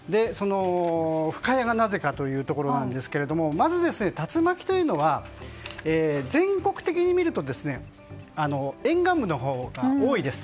深谷がなぜかというところですがまず、竜巻というのは全国的に見ると沿岸部のほうが多いです。